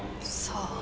さあ。